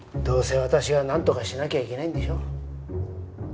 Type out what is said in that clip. どうせ私がなんとかしなきゃいけないんでしょ。